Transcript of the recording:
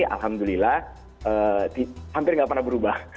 alhamdulillah hampir nggak pernah berubah